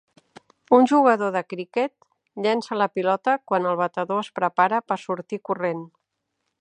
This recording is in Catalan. Un jugador de criquet llença la pilota quan el batedor es prepara per sortir corrent.